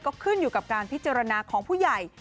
ก็ขึ้นอยู่กับการพิจารณาของผู้ใหญ่